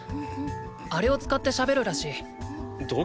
あれを使って喋るらしい。